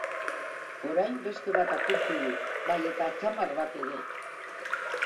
Orain, beste bat apurtu du, bai eta atzamar bat ere.